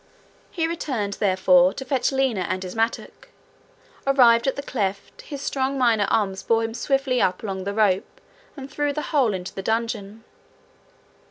He returned, therefore, to fetch Lina and his mattock. Arrived at the cleft, his strong miner arms bore him swiftly up along the rope and through the hole into the dungeon.